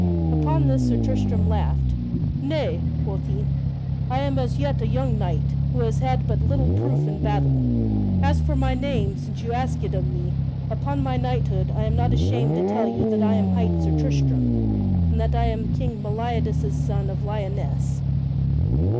Upon this Sir Tristram laughed, "Nay," quoth he, "I am as yet a young knight, who has had but little proof in battle. As for my name, since you ask it of me, upon my knighthood I am not ashamed to tell you that I am hight Sir Tristram, and that I am King Meliadus' son of Lyonesse."